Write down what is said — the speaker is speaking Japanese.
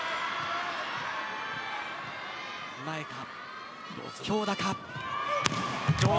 前か、強打か。